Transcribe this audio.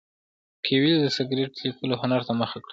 کویلیو د سکرېپټ لیکلو هنر ته مخه کړه.